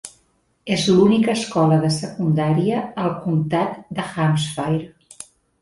És l'única escola de secundària al comtat de Hampshire.